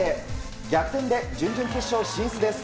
逆転で準々決勝進出です。